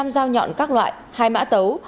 hai mươi năm dao nhọn các loại hai mã tấu